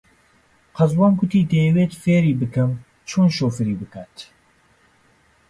قەزوان گوتی دەیەوێت فێری بکەم چۆن شۆفێری بکات.